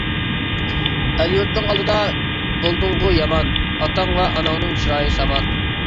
ئەل-يۇرتنىڭ ئالدىدا بولدۇڭغۇ يامان، ئاتاڭ ۋە ئاناڭنىڭ چىرايى سامان.